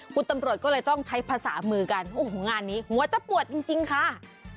คุณตำรวจก็เลยต้องใช้ภาษามือกันโอ้โหงานนี้หัวจะปวดจริงค่ะ